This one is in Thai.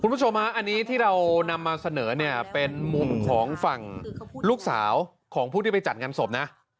คุณผู้ชมฮะอันนี้ที่เรานำมาเสนอเนี่ยเป็นมุมของฝั่งลูกสาวของผู้ที่ไปจัดงานศพนะ